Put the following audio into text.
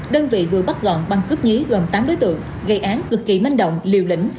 đơn vị vừa bắt gọn băng cướp nhí gồm tám đối tượng gây án cực kỳ manh động liều lĩnh